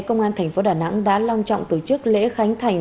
công an thành phố đà nẵng đã long trọng tổ chức lễ khánh thành